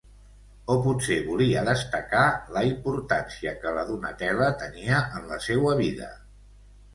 O potser volia destacar la importància que la Donatella tenia en la seua vida?